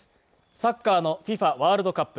サッカーのＦＩＦＡワールドカップ